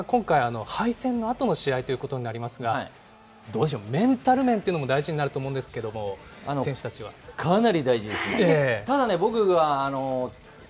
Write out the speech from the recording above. そのスペイン戦が今回、敗戦のあとの試合ということになりますが、どうでしょう、メンタル面っていうのも大事になると思うんかなり大事です。